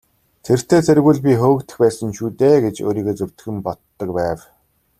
Тэртэй тэргүй л би хөөгдөх байсан шүү дээ гэж өөрийгөө зөвтгөн боддог байв.